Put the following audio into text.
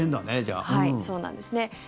そうなんですね。